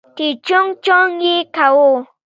چې چونگ چونگ يې کاوه.